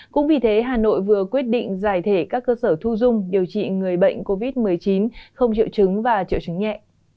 cũng vì thế hà nội vừa quyết định giải thể các cơ sở thu dung điều trị người bệnh covid một mươi chín không triệu chứng và triệu chứng nhẹ